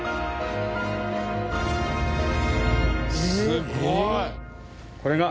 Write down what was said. すごい！